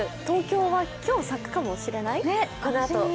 東京は今日、咲くかもしれない。